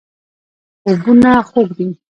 خوبونه خوږ دي.